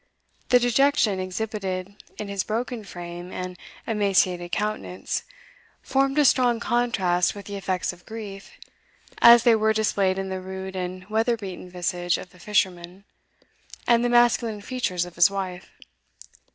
The dejection exhibited in his broken frame and emaciated countenance, formed a strong contrast with the effects of grief, as they were displayed in the rude and weatherbeaten visage of the fisherman, and the masculine features of his wife.